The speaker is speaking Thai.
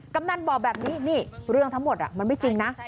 กำนันบอกแบบนี้นี่เรื่องทั้งหมดมันไม่จริงนะ